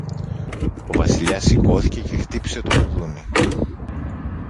Ο Βασιλιάς σηκώθηκε και χτύπησε το κουδούνι.